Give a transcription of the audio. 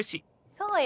そうよ。